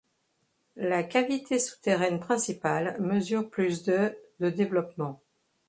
La cavité souterraine principale mesure plus de de développement.